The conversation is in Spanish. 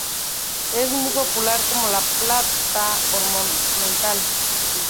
Es muy popular como planta ornamental.